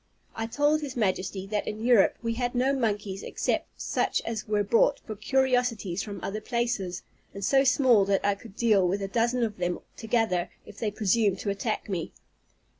I told his Majesty, that in Europe we had no monkeys except such as were brought for curiosities from other places, and so small that I could deal with a dozen of them together, if they presumed to attack me.